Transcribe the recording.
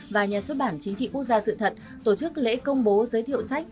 và nhà xuất bản chính trị quốc gia sự thật tổ chức lễ công bố giới thiệu sách